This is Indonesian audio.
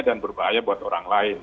dan berbahaya buat orang lain